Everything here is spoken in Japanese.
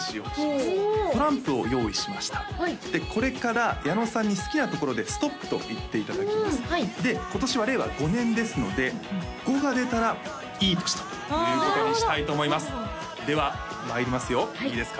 ほうトランプを用意しましたでこれから矢野さんに好きなところでストップと言っていただきますで今年は令和５年ですので「５」が出たらいい年ということにしたいと思いますではまいりますよいいですか？